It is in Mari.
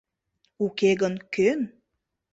— Уке гын, кӧн?